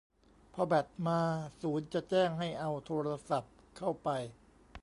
พอแบตมา ศูนย์จะแจ้งให้เอาโทรศัพท์เข้าไป